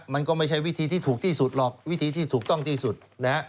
มันก็ไม่ใช่วิธีที่ถูกต้องที่สุดหรอก